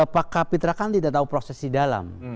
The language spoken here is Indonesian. pak kapitra kan tidak tahu proses di dalam